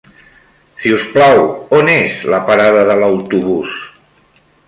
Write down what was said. Si us plau, on és la parada de l'autobús?